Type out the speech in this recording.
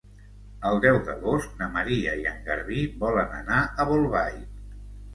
El deu d'agost na Maria i en Garbí volen anar a Bolbait.